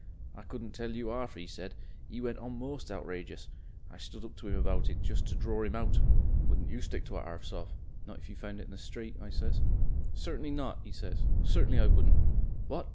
I couldn't tell you 'ARF 'e said. 'E went on most outrageous. I stood up to 'im about it, just to dror 'im out. 'Wouldn't you stick to a 'arf sov', not if you found it in the street?' I says. 'Certainly not,' 'e says; 'certainly I wouldn't.' 'What!